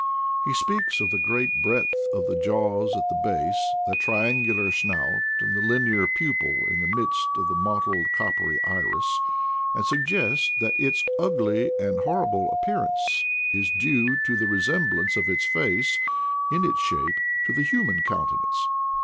He speaks of the great breadth of the jaws at the base, the triangular snout, and the linear pupil in the midst of the mottled coppery iris, and suggests that its ugly and horrible appearance is due to the resemblance of its face, in its shape, to the human countenance.